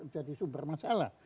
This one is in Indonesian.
jadi sumber masalah